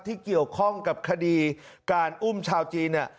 ที่เกี่ยวข้องกับคดีการอุ้มชาวจีนเนี่ย